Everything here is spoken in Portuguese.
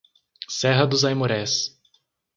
Serra dos Aimorés